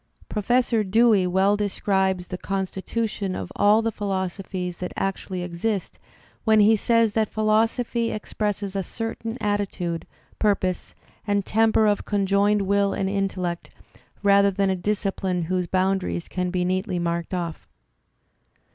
Pro fessor Dewey well describes the constitution of all the philos ophies that actually exist when he says that philosophy expresses a certain attitude, purpose, and temper of conjoined will and intellect, rather than a discipline whose boundaries can be neatly marked oflf.